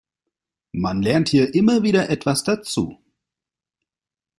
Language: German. Man lernt hier immer wieder etwas dazu.